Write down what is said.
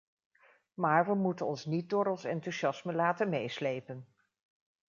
Maar we moeten ons niet door ons enthousiasme laten meeslepen.